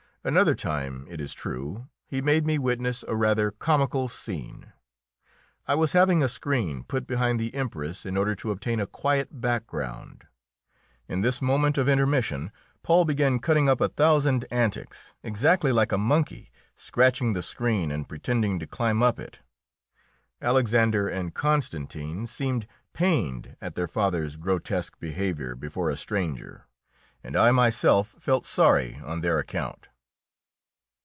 Another time, it is true, he made me witness a rather comical scene. I was having a screen put behind the Empress in order to obtain a quiet background. In this moment of intermission Paul began cutting up a thousand antics, exactly like a monkey, scratching the screen and pretending to climb up it. Alexander and Constantine seemed pained at their father's grotesque behaviour before a stranger, and I myself felt sorry on their account.